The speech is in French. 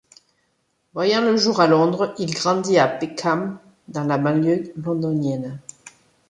Voyant le jour à Londres, il grandit à Peckham, dans la banlieue londonienne.